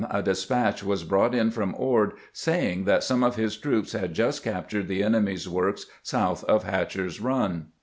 a despatch was brought in from Ord saying that some of his troops had just captured the enemy's works south of Hatcher's Run.